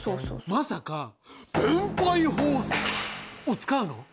まさか「分配法則」を使うの？